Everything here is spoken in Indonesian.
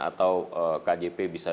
atau kjp bisa